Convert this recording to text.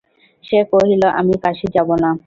সে কহিল, আমি কাশী যাব না।